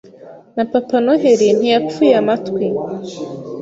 Na papa Noheli ntiyapfuye amatwi